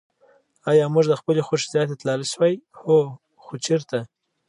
آیا موږ د خپل خوښي ځای ته تللای شوای؟ هو. خو چېرته؟